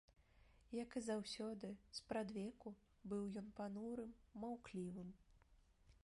Як і заўсёды, спрадвеку, быў ён панурым, маўклівым.